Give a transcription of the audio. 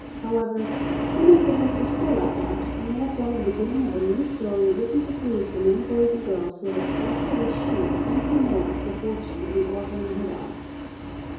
However, some incidents were still left out, and they have formed the beginning of a new story written to please the many boys and girls who have expressed a wish to know something more of the fortunes of the orphan and her dogs.